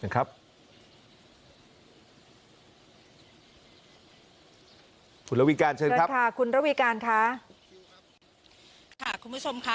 คุณราวิการ์เชิญครับคุณราวิการผมครับคุณผู้ชมค่ะ